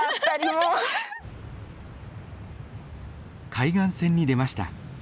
海岸線に出ました。